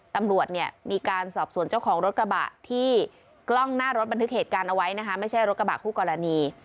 ตำรวจเนี่ยมีการสอบส่วนเจ้าของรถกระบะที่กล้องหน้ารถบันทึกเหตุการณ์เอาไว้นะคะไม่ใช่รถกระบะคู่กรณี